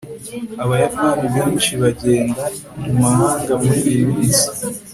abayapani benshi bagenda mu mahanga muriyi minsi